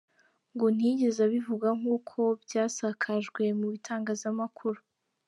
Ngo ntiyigeze abivuga nk’uko byasakajwe mu bitangazamakuru.